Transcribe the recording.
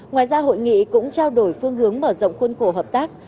ngoài ra hội nghị cũng trao đổi phương hướng mở rộng khuôn khổ hợp tác